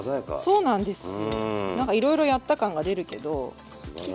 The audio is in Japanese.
そうなんですよ。